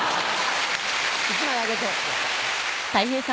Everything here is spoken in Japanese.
１枚あげて。